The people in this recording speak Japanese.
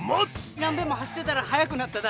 何べんも走ってたら速くなっただ。